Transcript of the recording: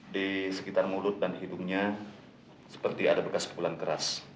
di sekitar mulut dan hidungnya seperti ada bekas pukulan keras